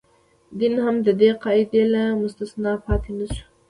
دین هم د دې قاعدې له مستثنا پاتې نه شو.